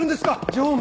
常務。